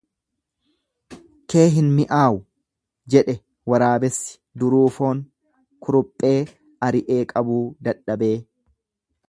kee hin mi'aawu jedhe waraabessi Duruu foon kuruphee ari'ee qabuu dadhabee.